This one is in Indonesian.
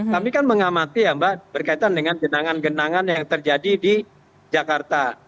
kami kan mengamati ya mbak berkaitan dengan genangan genangan yang terjadi di jakarta